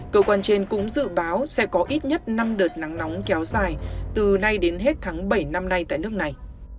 cơ quan trên cũng dự báo sẽ có ít nhất năm đợt nắng nóng kéo dài từ nay đến hết tháng bảy năm nay tại nước này